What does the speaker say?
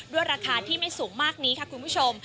ราคาที่ไม่สูงมากนี้ค่ะคุณผู้ชม